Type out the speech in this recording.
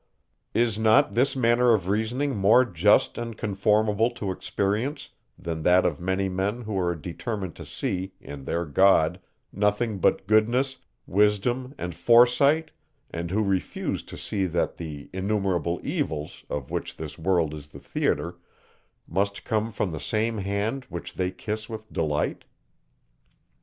Is not this manner of reasoning more just and conformable to experience, than that of many men, who are determined to see, in their God, nothing but goodness, wisdom, and foresight, and who refuse to see that the innumerable evils, of which this world is the theatre, must come from the same hand, which they kiss with delight?